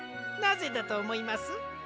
なぜだとおもいます？